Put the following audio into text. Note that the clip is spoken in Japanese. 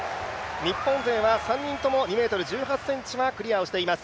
日本勢は３人とも２ｍ１８はクリアしています。